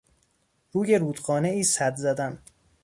روی رودخانهای سد زدن